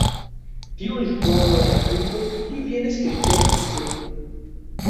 Più il suono è acuto più viene scritto in alto.